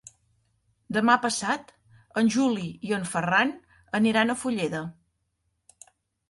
Demà passat en Juli i en Ferran aniran a Fulleda.